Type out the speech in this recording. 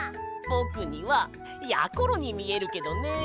ぼくにはやころにみえるけどね。